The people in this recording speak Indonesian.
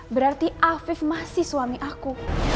berarti afif masih suami aku